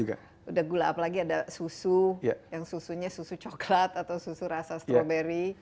sudah gula apalagi ada susu yang susunya susu coklat atau susu rasa stroberi